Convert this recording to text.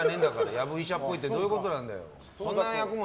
ヤブ医者っぽいってどういうことなんだよ！